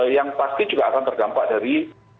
yang pasti juga akan terdampak dari